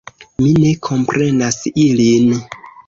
Mi ne komprenas ilin.